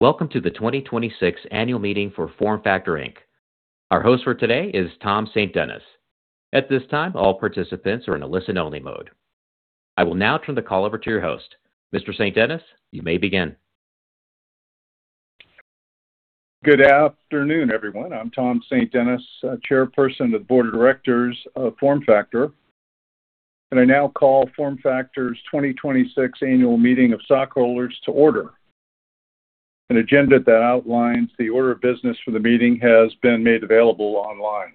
Welcome to the 2026 Annual Meeting for FormFactor, Inc. Our host for today is Tom St. Dennis. At this time, all participants are in a listen-only mode. I will now turn the call over to your host. Mr. St. Dennis, you may begin. Good afternoon, everyone. I'm Tom St. Dennis, Chairperson of the Board of Directors of FormFactor, and I now call FormFactor's 2026 annual meeting of stockholders to order. An agenda that outlines the order of business for the meeting has been made available online.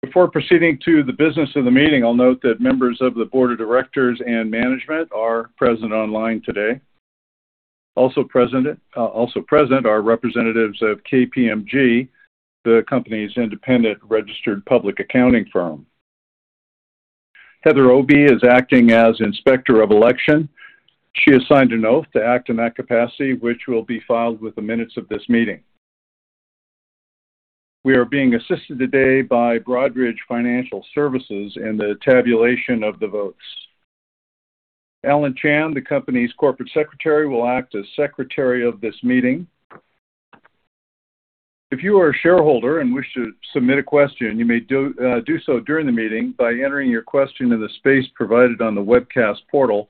Before proceeding to the business of the meeting, I'll note that members of the Board of Directors and management are present online today. Also present are representatives of KPMG, the company's independent registered public accounting firm. Heather Obi is acting as Inspector of Election. She has signed an oath to act in that capacity, which will be filed with the minutes of this meeting. We are being assisted today by Broadridge Financial Solutions in the tabulation of the votes. Alan Chan, the company's Corporate Secretary, will act as Secretary of this meeting. If you are a shareholder and wish to submit a question, you may do so during the meeting by entering your question in the space provided on the webcast portal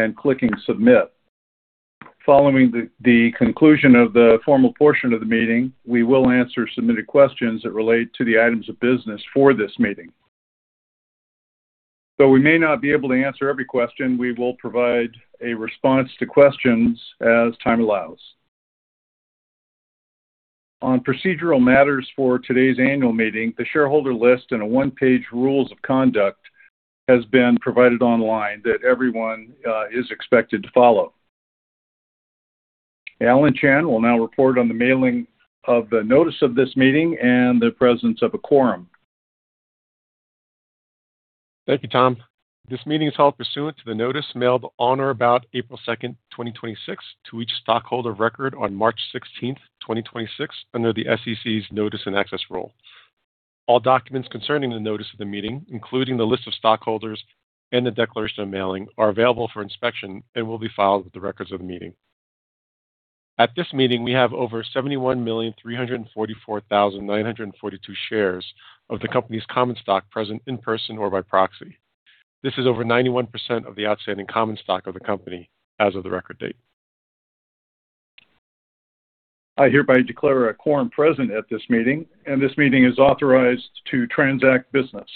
and clicking Submit. Following the conclusion of the formal portion of the meeting, we will answer submitted questions that relate to the items of business for this meeting. Though we may not be able to answer every question, we will provide a response to questions as time allows. On procedural matters for today's annual meeting, the shareholder list and a one-page rules of conduct has been provided online that everyone is expected to follow. Alan Chan will now report on the mailing of the notice of this meeting and the presence of a quorum. Thank you, Tom. This meeting is held pursuant to the notice mailed on or about April 2nd, 2026, to each stockholder of record on March 16th, 2026, under the SEC's Notice and Access Rule. All documents concerning the notice of the meeting, including the list of stockholders and the declaration of mailing, are available for inspection and will be filed with the records of the meeting. At this meeting, we have over 71,344,942 shares of the company's common stock present in person or by proxy. This is over 91% of the outstanding common stock of the company as of the record date. I hereby declare a quorum present at this meeting, and this meeting is authorized to transact business.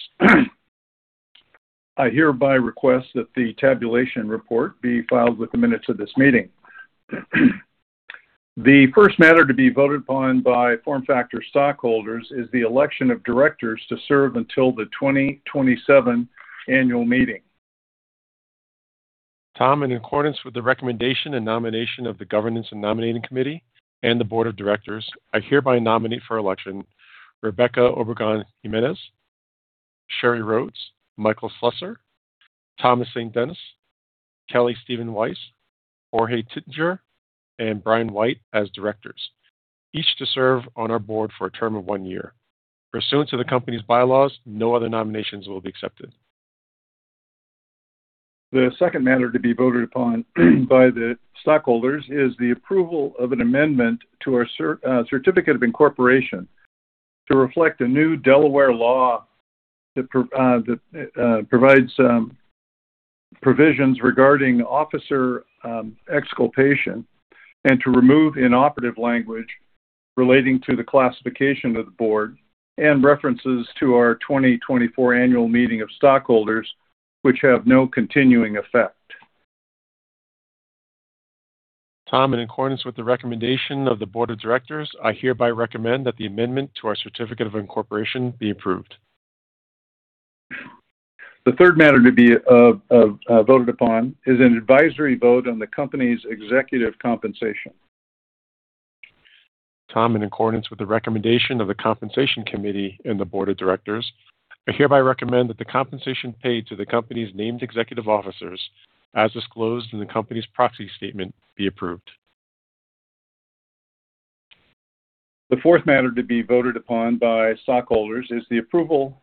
I hereby request that the tabulation report be filed with the minutes of this meeting. The first matter to be voted upon by FormFactor stockholders is the election of directors to serve until the 2027 annual meeting. Tom, in accordance with the recommendation and nomination of the Governance and Nominating Committee and the Board of Directors, I hereby nominate for election Rebeca Obregon Jimenez, Sheri Rhodes, Michael Slessor, Thomas St. Dennis, Kelly Steven-Waiss, Jorge Titinger, and Brian White as directors, each to serve on our board for a term of one year. Pursuant to the company's bylaws, no other nominations will be accepted. The second matter to be voted upon by the stockholders is the approval of an amendment to our certificate of incorporation to reflect a new Delaware law that provides provisions regarding officer exculpation and to remove inoperative language relating to the classification of the board and references to our 2024 annual meeting of stockholders, which have no continuing effect. Tom, in accordance with the recommendation of the board of directors, I hereby recommend that the amendment to our certificate of incorporation be approved. The third matter to be voted upon is an advisory vote on the company's executive compensation. Tom, in accordance with the recommendation of the Compensation Committee and the board of directors, I hereby recommend that the compensation paid to the company's named executive officers, as disclosed in the company's proxy statement, be approved. The fourth matter to be voted upon by stockholders is the approval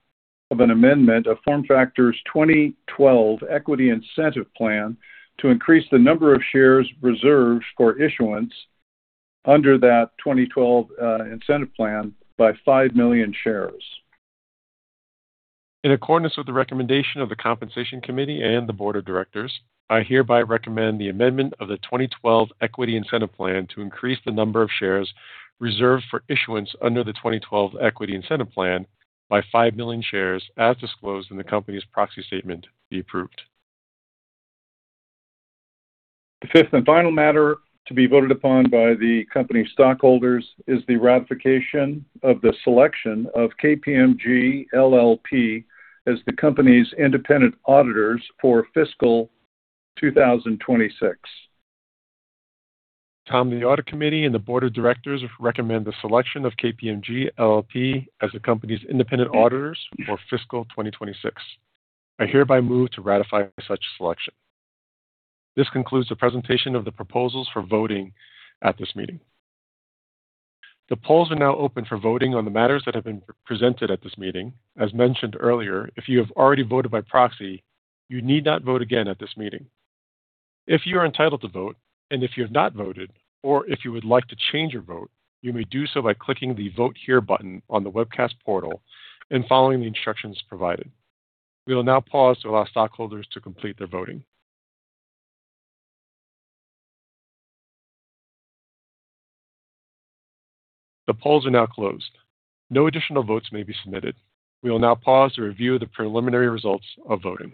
of an amendment of FormFactor's 2012 Equity Incentive Plan to increase the number of shares reserved for issuance under that 2012 incentive plan by five million shares. In accordance with the recommendation of the Compensation Committee and the board of directors, I hereby recommend the amendment of the 2012 Equity Incentive Plan to increase the number of shares reserved for issuance under the 2012 Equity Incentive Plan by five million shares, as disclosed in the company's proxy statement, be approved. The fifth and final matter to be voted upon by the company stockholders is the ratification of the selection of KPMG LLP as the company's independent auditors for fiscal 2026. Tom, the Audit Committee and the Board of Directors recommend the selection of KPMG LLP as the company's independent auditors for fiscal 2026. I hereby move to ratify such selection. This concludes the presentation of the proposals for voting at this meeting. The polls are now open for voting on the matters that have been presented at this meeting. As mentioned earlier, if you have already voted by proxy, you need not vote again at this meeting. If you are entitled to vote and if you have not voted, or if you would like to change your vote, you may do so by clicking the Vote Here button on the webcast portal and following the instructions provided. We will now pause to allow stockholders to complete their voting. The polls are now closed. No additional votes may be submitted. We will now pause to review the preliminary results of voting.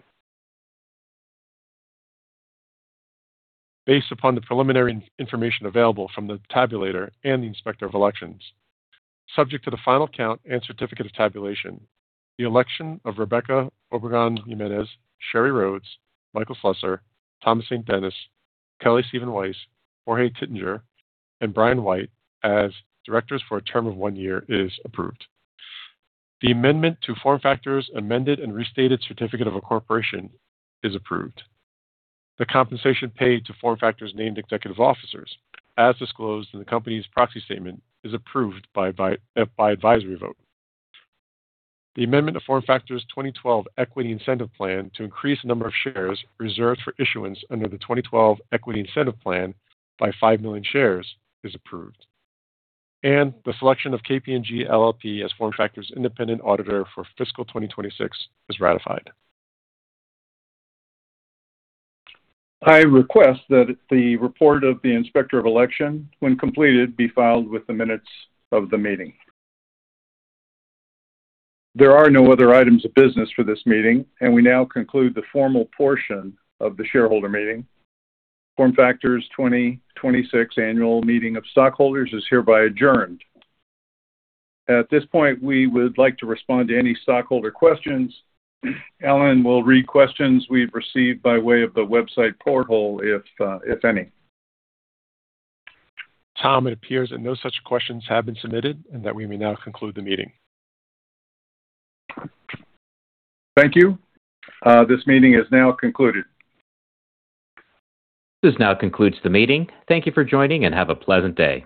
Based upon the preliminary information available from the tabulator and the Inspector of Election, subject to the final count and certificate of tabulation, the election of Rebeca Obregon Jimenez, Sheri Rhodes, Michael Slessor, Thomas St. Dennis, Kelly Steven-Waiss, Jorge Titinger, and Brian White as directors for a term of one year is approved. The amendment to FormFactor's amended and restated certificate of incorporation is approved. The compensation paid to FormFactor's named executive officers, as disclosed in the company's proxy statement, is approved by advisory vote. The amendment of FormFactor's 2012 Equity Incentive Plan to increase the number of shares reserved for issuance under the 2012 Equity Incentive Plan by five million shares is approved. The selection of KPMG LLP as FormFactor's independent auditor for fiscal 2026 is ratified. I request that the report of the Inspector of Election, when completed, be filed with the minutes of the meeting. There are no other items of business for this meeting. We now conclude the formal portion of the shareholder meeting. FormFactor's 2026 Annual Meeting of Stockholders is hereby adjourned. At this point, we would like to respond to any stockholder questions. Alan will read questions we've received by way of the website portal, if any. Tom, it appears that no such questions have been submitted and that we may now conclude the meeting. Thank you. This meeting is now concluded. This now concludes the meeting. Thank you for joining. Have a pleasant day.